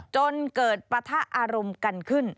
จนเกิดปะทะอารมณ์กันขึ้น